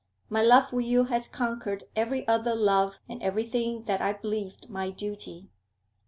My love for you has conquered every other love and everything that I believed my duty.'